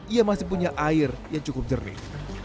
ia masih punya air yang cukup jernih